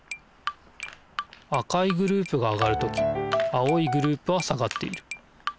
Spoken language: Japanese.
赤いグループが上がる時青いグループは下がっている。